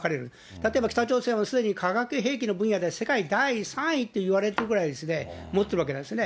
例えば北朝鮮はすでに化学兵器の分野では世界第３位っていわれてるぐらいですね、持ってるわけなんですね。